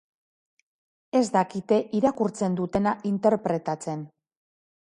Ez dakite irakurtzen dutena interpretatzen.